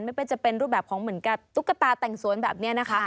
ไม่ว่าจะเป็นรูปแบบของเหมือนกับตุ๊กตาแต่งสวนแบบนี้นะคะ